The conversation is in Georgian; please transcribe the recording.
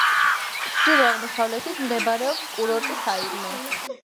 ჩრდილო-აღმოსავლეთით მდებარეობს კურორტი საირმე.